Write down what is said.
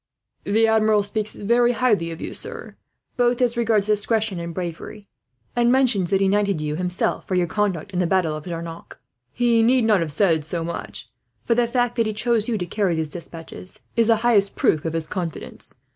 "The Admiral speaks very highly of you, sir, both as regards discretion and bravery; and mentions that he knighted you, himself, for your conduct in the battle of Jarnac. He need not have said so much, for the fact that he chose you to carry these despatches is the highest proof of his confidence.